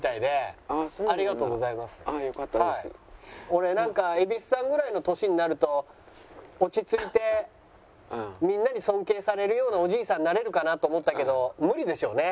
俺蛭子さんぐらいの年になると落ち着いてみんなに尊敬されるようなおじいさんになれるかなと思ったけど無理でしょうね。